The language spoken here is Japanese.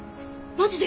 マジで！？